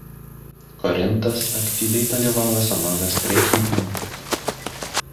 Korintas aktyviai dalyvavo senovės prekyboje.